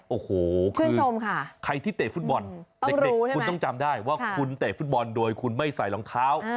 โอ้โหคือใครที่เตะฟุตบอลเด็กคุณต้องจำได้ว่าคุณเตะฟุตบอลโดยคุณไม่ใส่รองเท้า